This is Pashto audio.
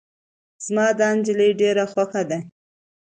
زما دا نجلی ډیره خوښه ده.